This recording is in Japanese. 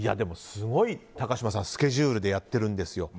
すごいスケジュールでやってるんですよ。